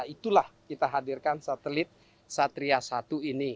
itulah kita hadirkan satelit satria satu ini